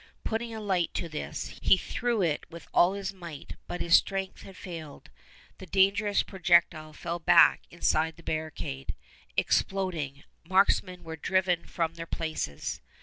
Putting a light to this, he threw it with all his might; but his strength had failed; the dangerous projectile fell back inside the barricade, exploding; marksmen were driven from their places.